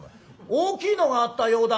大きいのがあったようだがな」。